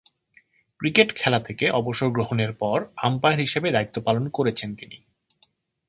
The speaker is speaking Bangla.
ক্রিকেট খেলা থেকে অবসর গ্রহণের পর আম্পায়ার হিসেবে দায়িত্ব পালন করেছেন তিনি।